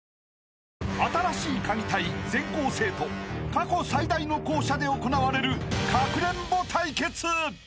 ［過去最大の校舎で行われるかくれんぼ対決！］